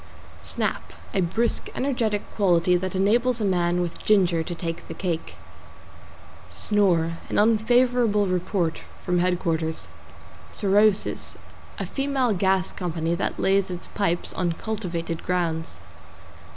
=SNAP= A brisk, energetic quality that enables a man with ginger to take the cake. =SNORE= An unfavorable report from headquarters. =SOROSIS= A female gas company that lays its pipes on cultivated grounds.